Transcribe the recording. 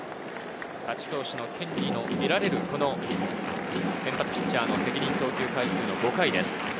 勝ち投手の権利が得られる先発ピッチャーの責任投球回数の５回です。